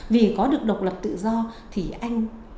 vì có được độc lập tự do thì anh